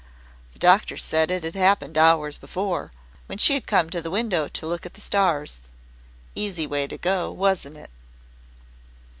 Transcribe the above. The doctor said it had happened hours before, when she had come to the window to look at the stars. Easy way to go, wasn't it?"